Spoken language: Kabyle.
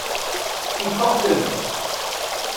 Ifeɣ-ten.